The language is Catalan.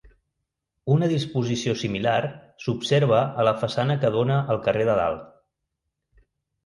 Una disposició similar s'observa a la façana que dóna al carrer de Dalt.